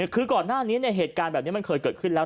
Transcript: คือก่อนหน้านี้เหตุการณ์แบบนี้มันเคยเกิดขึ้นแล้ว